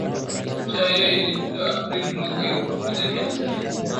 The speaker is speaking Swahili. picha hiyo ilipigwa aprili mwaka elfu moja mia tisa tisini